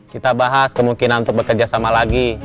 kita bahas kemungkinan untuk bekerja sama lagi